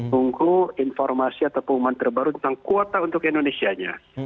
tunggu informasi atau pengumuman terbaru tentang kuota untuk indonesia nya